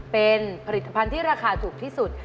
เป็นผลิตภัณฑ์ที่ราคาถูกที่สุด